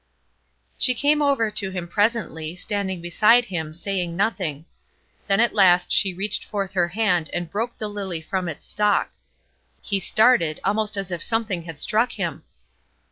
She came over to him presently, standing beside him, saying nothing. Then at last she reached forth her hand and broke the lily from its stalk. He started, almost as if something had struck him.